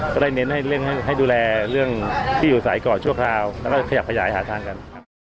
ก็ได้เน้นให้นั่งให้ดูแลเรื่องที่อยู่ใส่ก่อนทุกคราวแล้วก็ขยับขยายทางกัน